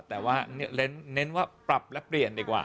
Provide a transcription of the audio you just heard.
แต่ว่าเน้นว่าปรับและเปลี่ยนดีกว่า